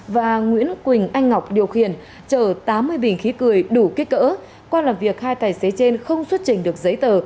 và nguyễn quỳnh anh ngọc điều khiển chở tám mươi bình khí cười đủ kích cỡ qua làm việc hai tài xế trên không xuất trình được giấy tờ